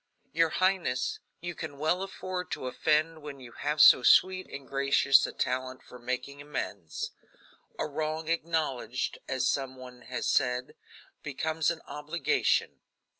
"Your highness, you can well afford to offend when you have so sweet and gracious a talent for making amends. 'A wrong acknowledged,' as some one has said, 'becomes an obligation.'"